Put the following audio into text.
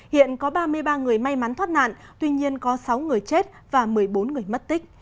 hiện có ba mươi ba người may mắn thoát nạn tuy nhiên có sáu người chết và một mươi bốn người mất tích